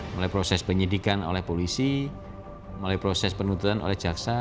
mulai proses penyidikan oleh polisi melalui proses penuntutan oleh jaksa